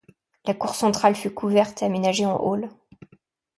La cour centrale fut couverte et aménagée en hall.